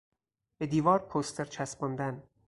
به دیوار پوستر چسباندن